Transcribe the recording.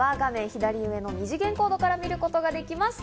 左上の二次元コードから見ることができます。